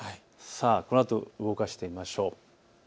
このあと動かしましょう。